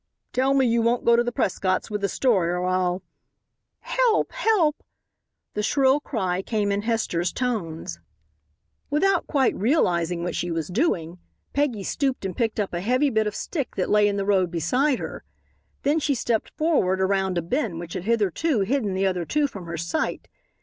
"Tell me you won't go to the Prescotts with the story or I'll " "Help! Help!" The shrill cry came in Hester's tones. Without quite realizing what she was doing, Peggy stooped and picked up a heavy bit of stick that lay in the road beside her. Then she stepped forward around a bend which had hitherto hidden the other two from her sight.